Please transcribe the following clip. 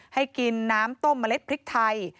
ให้กินน้ำต้มเมล็ดพริกไทย